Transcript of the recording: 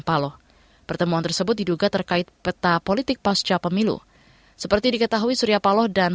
pertama kali kita berkahwin